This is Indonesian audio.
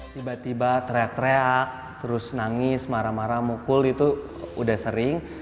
tiba tiba teriak teriak terus nangis marah marah mukul itu udah sering